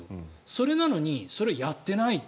それなのに、それをやっていない